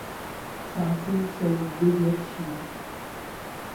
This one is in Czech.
Samci jsou vždy větší.